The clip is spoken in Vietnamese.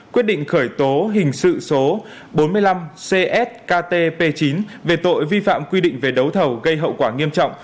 quyết định khởi tố hình sự số bốn mươi năm cs ktp chín về tội vi phạm quy định về đấu thầu gây hậu quả nghiêm trọng